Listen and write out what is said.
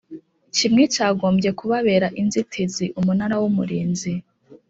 kimwe cyagombye kubabera inzitizi Umunara w Umurinzi